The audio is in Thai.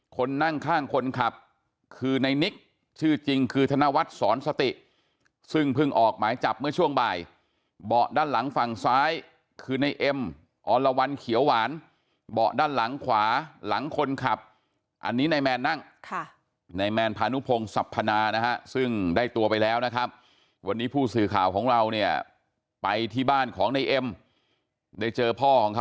คนนั่งข้างคนขับคือในนิกชื่อจริงคือธนวัฒน์สอนสติซึ่งเพิ่งออกหมายจับเมื่อช่วงบ่ายเบาะด้านหลังฝั่งซ้ายคือในเอ็มอรวรรณเขียวหวานเบาะด้านหลังขวาหลังคนขับอันนี้นายแมนนั่งในแมนพานุพงศัพพนานะฮะซึ่งได้ตัวไปแล้วนะครับวันนี้ผู้สื่อข่าวของเราเนี่ยไปที่บ้านของในเอ็มได้เจอพ่อของเขา